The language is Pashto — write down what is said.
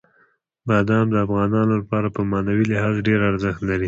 بادام د افغانانو لپاره په معنوي لحاظ ډېر ارزښت لري.